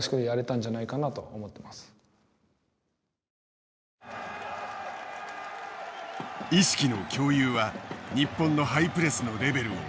意識の共有は日本のハイプレスのレベルを引き上げた。